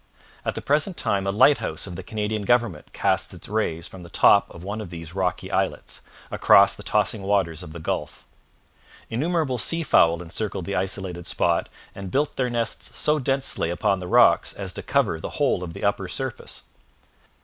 At the present time a lighthouse of the Canadian government casts its rays from the top of one of these rocky islets, across the tossing waters of the Gulf. Innumerable sea fowl encircled the isolated spot and built their nests so densely upon the rocks as to cover the whole of the upper surface.